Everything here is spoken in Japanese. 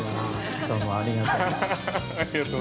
どうもありがとう。